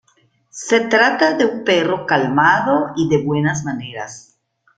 Se trata de un perro calmado y de buenas maneras.